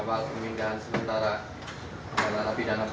pemindahan api dan apa